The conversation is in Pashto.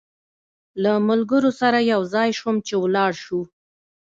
له ملګرو سره یو ځای شوم چې ولاړ شو.